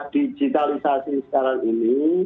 digitalisasi sekarang ini